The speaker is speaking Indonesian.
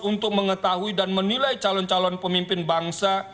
untuk mengetahui dan menilai calon calon pemimpin bangsa